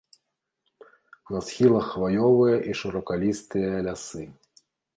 На схілах хваёвыя і шыракалістыя лясы.